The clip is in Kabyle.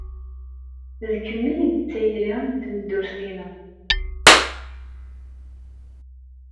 D kemm ay d tayri n tmeddurt-inu.